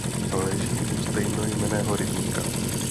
Leží u stejnojmenného rybníka.